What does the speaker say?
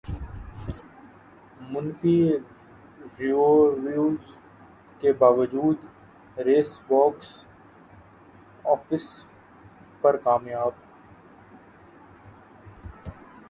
منفی ریویوز کے باوجود ریس باکس افس پر کامیاب